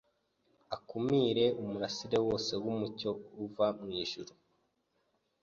akumire umurasire wose w’umucyo uva mu ijuru.